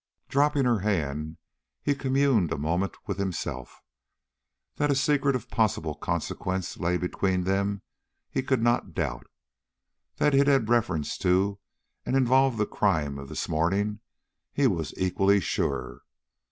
Dropping her hand, he communed a moment with himself. That a secret of possible consequence lay between them he could not doubt. That it had reference to and involved the crime of the morning, he was equally sure.